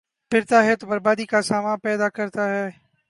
، بپھر تا ہے تو بربادی کا ساماں پیدا کرتا ہے ۔